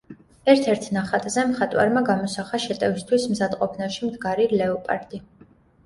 ერთ-ერთ ნახატზე მხატვარმა გამოსახა შეტევისთვის მზადყოფნაში მდგარი ლეოპარდი.